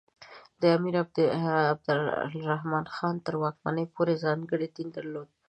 د امیر عبدالرحمان خان تر واکمنۍ پورې ځانګړی دین درلود.